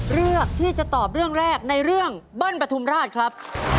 เลือกที่จะตอบเรื่องแรกในเรื่องเบิ้ลปฐุมราชครับ